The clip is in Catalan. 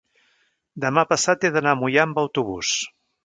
demà passat he d'anar a Moià amb autobús.